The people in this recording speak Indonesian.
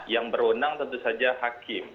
yang berwenang tentu saja hakim